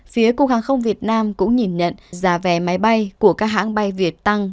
phía cục hàng không việt nam cũng nhìn nhận giá vé máy bay của các hãng bay việt tăng